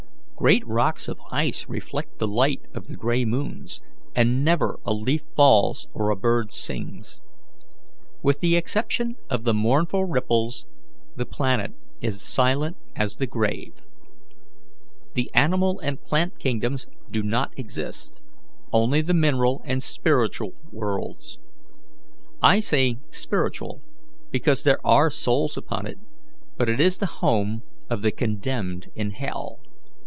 Great rocks of ice reflect the light of the grey moons, and never a leaf falls or a bird sings. With the exception of the mournful ripples, the planet is silent as the grave. The animal and plant kingdoms do not exist; only the mineral and spiritual worlds. I say spiritual, because there are souls upon it; but it is the home of the condemned in hell.